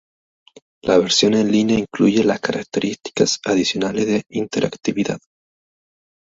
La versión en línea incluye las características adicionales de interactividad.